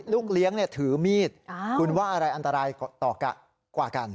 ลูกเลี้ยงเนี่ยถือมีดอ้าวคุณว่าอะไรอันตรายกว่ากัน